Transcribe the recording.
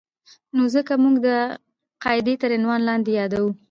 نو ځکه یې موږ د قاعدې تر عنوان لاندې یادوو.